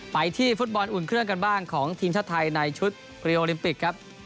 ไปที่ฟุตบอลอุ่นเครื่องกันบ้างของทีมชาติไทยในชุดรีโอลิมปิกครับ